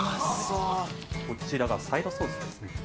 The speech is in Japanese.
こちらがサイドソースです。